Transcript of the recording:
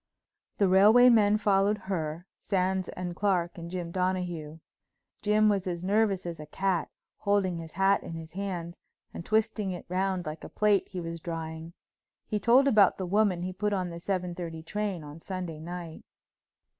The railway men followed her, Sands and Clark and Jim Donahue. Jim was as nervous as a cat, holding his hat in his hands and twisting it round like a plate he was drying. He told about the woman he put on the seven thirty train on Sunday night.